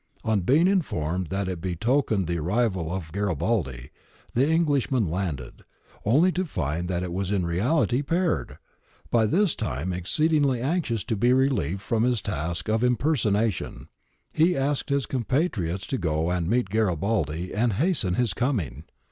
On being informed that it betokened the arrival of Garibaldi, the Englishmen landed, only to find that it was in reality Peard, by this time exceedingly anxious to be relieved from his task of impersonation He asked his compatriots to go and meet Garibaldi and hasten his coming.